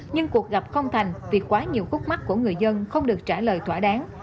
nhưng cuộc gặp không thành vì quá nhiều khúc mắt của người dân không được trả lời thỏa đáng